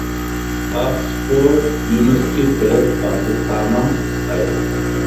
اوڪسفورڊ يونيورسٽي پريس پاڪستان مَ ائي.